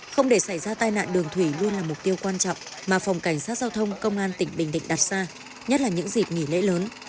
không để xảy ra tai nạn đường thủy luôn là mục tiêu quan trọng mà phòng cảnh sát giao thông công an tỉnh bình định đặt ra nhất là những dịp nghỉ lễ lớn